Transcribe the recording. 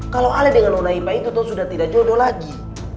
kalo lu dengan orang lain itu tuh sudah tidak jodoh lagi